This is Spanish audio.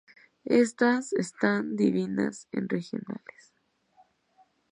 Estas están divididas en regionales.